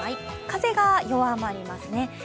風が弱まりますね。